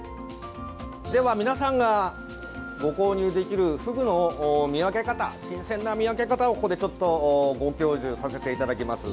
では皆さんがご購入できるフグの見分け方新鮮な見分け方をここでちょっとご教授させていただきます。